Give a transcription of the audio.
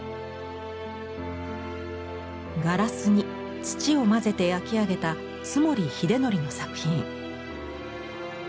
ガラスに土を混ぜて焼き上げた津守秀憲の作品。